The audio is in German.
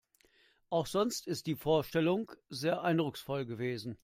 Auch sonst ist die Vorstellung sehr eindrucksvoll gewesen.